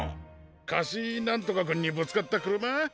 カシなんとかくんにぶつかったくるま？